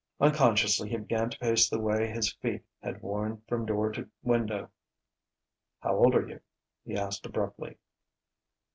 Unconsciously he began to pace the way his feet had worn from door to window. "How old are you?" he asked abruptly.